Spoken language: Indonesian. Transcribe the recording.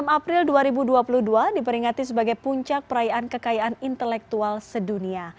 enam april dua ribu dua puluh dua diperingati sebagai puncak perayaan kekayaan intelektual sedunia